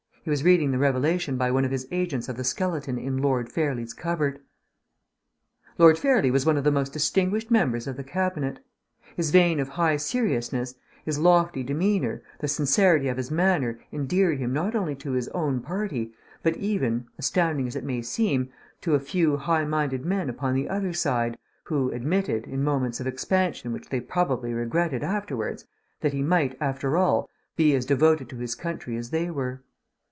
He was reading the revelation by one of his agents of the skeleton in Lord Fairlie's cupboard! Lord Fairlie was one of the most distinguished members of the Cabinet. His vein of high seriousness, his lofty demeanour, the sincerity of his manner endeared him not only to his own party, but even (astounding as it may seem) to a few high minded men upon the other side, who admitted, in moments of expansion which they probably regretted afterwards, that he might, after all, be as devoted to his country as they were.